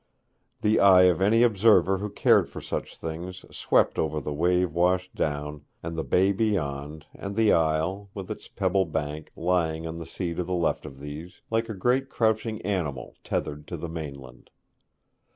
The eye of any observer who cared for such things swept over the wave washed town, and the bay beyond, and the Isle, with its pebble bank, lying on the sea to the left of these, like a great crouching animal tethered to the mainland.